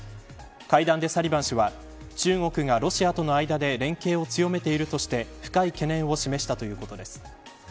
会談でサリバン氏は中国がロシアとの間で連携を強めているとして深い懸念を示したということです。